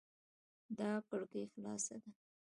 دا کړکي خلاصه ده